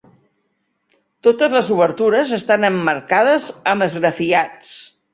Totes les obertures estan emmarcades amb esgrafiats.